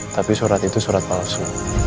tapi surat itu surat palsu